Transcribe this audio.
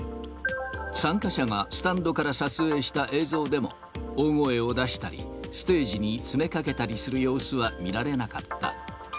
参加者がスタンドから撮影した映像でも、大声を出したり、ステージに詰めかけたりする様子は見られなかった。